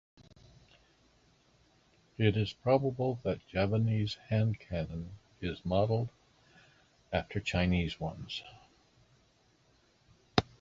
It is probable that Javanese hand cannon is modelled after Chinese ones.